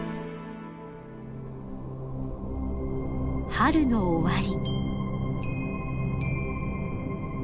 春の終わり。